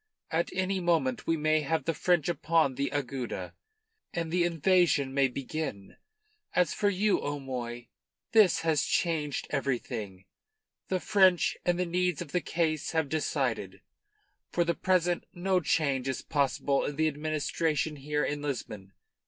At any moment we may have the French upon the Agueda, and the invasion may begin. As for you, O'Moy, this has changed everything. The French and the needs of the case have decided. For the present no change is possible in the administration here in Lisbon.